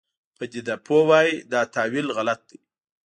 پدیده پوه وایي دا تاویل غلط دی.